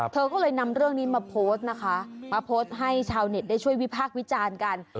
เธอก็เลยนำเรื่องนี้มาโพสต์นะคะมาโพสต์ให้ชาวเน็ตได้ช่วยวิพากษ์วิจารณ์กัน